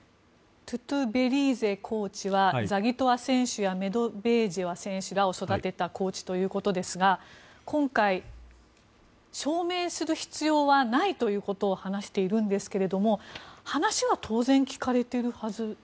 トゥトベリーゼコーチはザギトワ選手やメドベージェワ選手らを育てたコーチということですが今回、証明する必要はないということを話しているんですが話は当然聞かれてるはず？